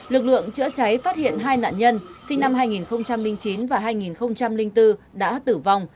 lực lượng chữa cháy phát hiện hai nạn nhân sinh năm hai nghìn chín và hai nghìn bốn đã tử vong